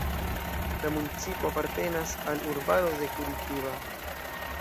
La municipo apartenas al urbaro de Curitiba.